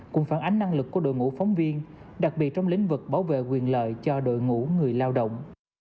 cùng phản ánh năng lực của đội ngũ phóng viên đặc biệt trong lĩnh vực bảo vệ quyền lợi cho đội ngũ người lao động